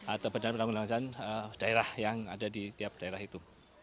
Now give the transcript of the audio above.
atau bnpbd yang ada di tiap daerah itu